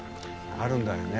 あるんだよね。